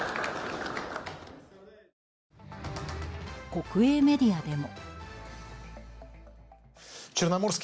国営メディアでも。